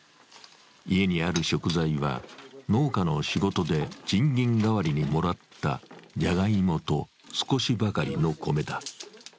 家にある食材は農家の仕事で賃金がわりにもらったじゃがいもと少しばかりの米だ。